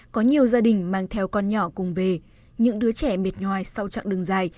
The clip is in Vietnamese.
có nhiều gia đình mang theo con nhỏ cùng về những đứa trẻ mệt nhòai sau chặng đường dài